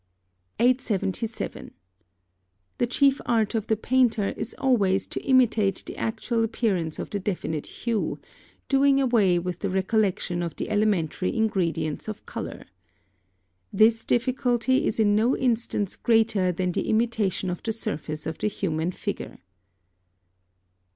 877. The chief art of the painter is always to imitate the actual appearance of the definite hue, doing away with the recollection of the elementary ingredients of colour. This difficulty is in no instance greater than in the imitation of the surface of the human figure.